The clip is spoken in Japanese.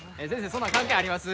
そんなん関係あります？